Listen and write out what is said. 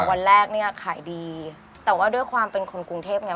วันแรกเนี่ยขายดีแต่ว่าด้วยความเป็นคนกรุงเทพไง